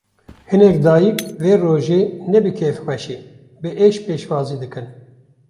Hinek dayîk, vê rojê ne bi kêfxweşî, bi êş pêşwazî dikin